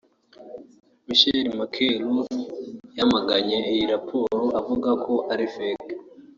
Michael Makuei Lueth yamaganye iyi raporo avuga ko ari fake